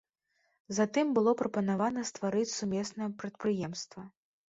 Затым было прапанавана стварыць сумеснае прадпрыемства.